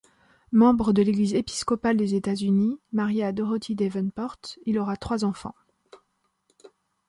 Membre de l'Église épiscopale des États-Unis, marié à Dorothy Davenport, il aura trois enfants.